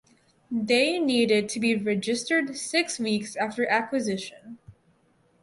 They need to be registered six weeks after acquisition.